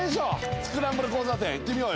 スクランブル交差点行ってみようよ。